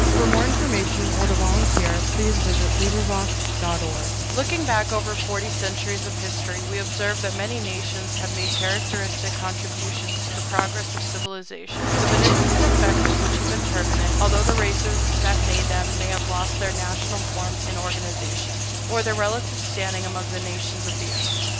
1914. Charles William Eliot (1834– ) XX Five American Contributions to Civilization LOOKING back over forty centuries of history, we observe that many nations have made characteristic contributions to the progress of civilization, the beneficent effects of which have been permanent, although the races that made them may have lost their national form and organization, or their relative standing among the nations of the earth.